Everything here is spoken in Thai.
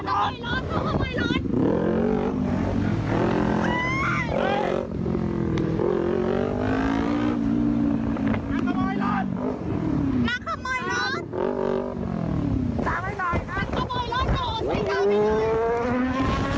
มันทำไมรถ